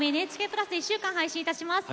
プラスで１週間配信いたします。